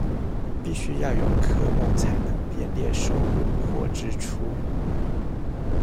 必須要有科目才能編列收入或支出